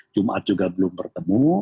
jumat juga belum bertemu